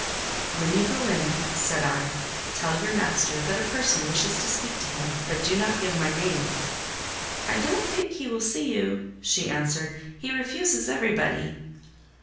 "When you go in," said I, "tell your master that a person wishes to speak to him, but do not give my name." "I don't think he will see you," she answered; "he refuses everybody."